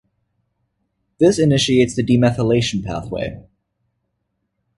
This initiates the demethylation pathway.